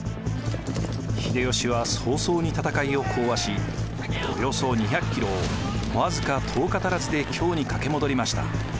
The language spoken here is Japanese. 秀吉は早々に戦いを講和しおよそ２００キロを僅か１０日足らずで京に駆け戻りました。